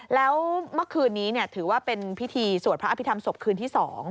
แล้วเมื่อคืนนี้ถือว่าเป็นพิธีสวดพระอภิษฐรรมศพคืนที่๒